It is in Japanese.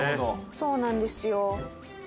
そうなんですよ。